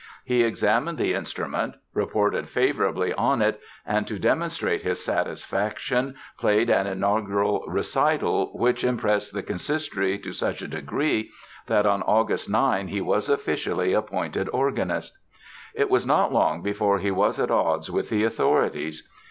He examined the instrument, reported favorably on it and, to demonstrate his satisfaction, played an inaugural recital which impressed the Consistory to such a degree that on August 9 he was officially appointed organist. It was not long before he was at odds with the authorities.